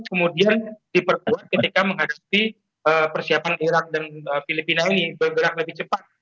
kemudian diperkuat ketika menghadapi persiapan irak dan filipina ini bergerak lebih cepat